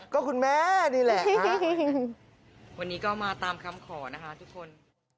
ก็คุณแม่นี่แหละวันนี้ก็มาตามคำขอนะคะทุกคน